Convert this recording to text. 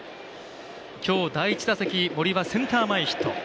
今日、第１打席森はセンター前ヒット。